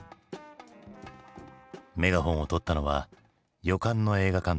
メガホンをとったのは予感の映画監督